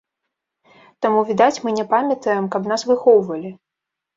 Таму, відаць, мы не памятаем, каб нас выхоўвалі.